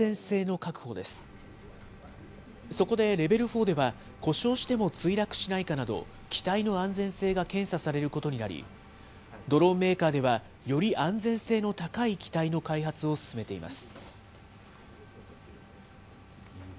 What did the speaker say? そこでレベル４では、故障しても墜落しないかなど、機体の安全性が検査されることになり、ドローンメーカーではより安全性の高い機体の開発を進めています。